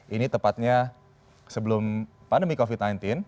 ini tepatnya sebelum pandemi covid sembilan belas